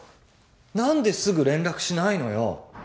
何ですぐ連絡しないのよ